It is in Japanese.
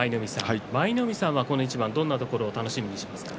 舞の海さんは、この一番どんなところ楽しみにしますか？